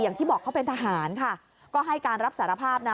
อย่างที่บอกเขาเป็นทหารค่ะก็ให้การรับสารภาพนะ